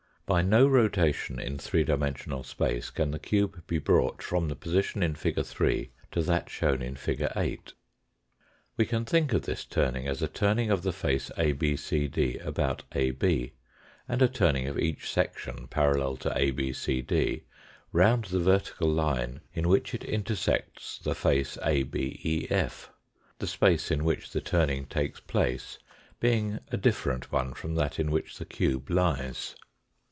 By no rotation in three dimensional .space can the cube be brought from the position in fig. 3 to that shown in fig. 8. We can think of this turning as a turning of the face ABCD about AB, and a turning of each section parallel to ABCD round the vertical line in which it intersects the face ABEF, the 2"?pQSiftcn . Imposition Fig. 8 (13G> space in which the turning takes place being a different one from that in which the cube lies.